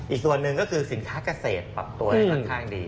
อีกส่วนหนึ่งก็คือสินค้าเกษตรปรับตัวได้ค่อนข้างดี